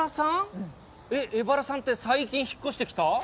うんえっエバラさんって最近引っ越してきた？